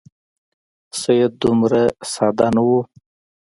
سید دومره ساده نه وو.